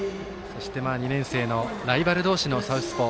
２年生のライバル同士のサウスポー。